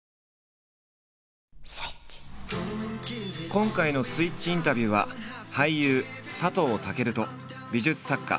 今回の「スイッチインタビュー」は俳優佐藤健と美術作家